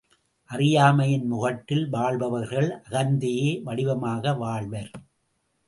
அறியாமையின் முகட்டில் வாழ்பவர்கள் அகந்தையே வடிவமாக வாழ்வர்.